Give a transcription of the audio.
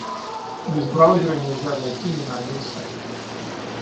Без браузера нельзя зайти ни на один сайт.